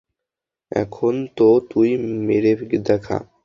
এখন তো তুই মেরে দেখা।